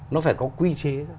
nó phải có quy chế